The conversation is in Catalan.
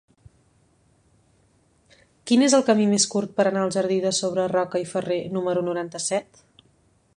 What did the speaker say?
Quin és el camí més curt per anar al jardí de Sobreroca i Ferrer número noranta-set?